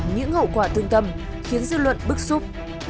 những hậu quả thương tâm khiến dư luận bức xúc